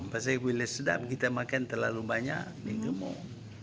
karena bila sedap kita makan terlalu banyak ini gemuk